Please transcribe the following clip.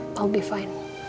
aku akan baik baik saja